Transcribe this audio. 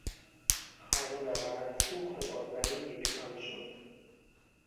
خانه واقعا سوخت و با زمین یکسان شد.